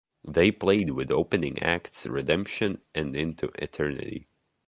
They played with opening acts Redemption and Into Eternity.